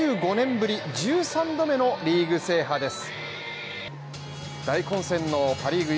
ぶり１３度目のリーグ制覇です。